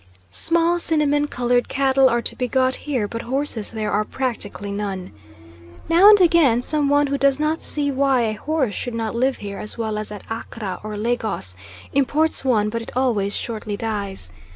Small cinnamon coloured cattle are to be got here, but horses there are practically none. Now and again some one who does not see why a horse should not live here as well as at Accra or Lagos imports one, but it always shortly dies.